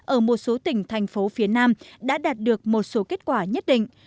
ở một số tỉnh thành phố phía nam đã đạt được một số kết quả nhất định